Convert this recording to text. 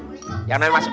ya yang namanya masak siti